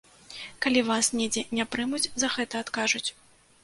Калі вас недзе не прымуць, за гэта адкажуць.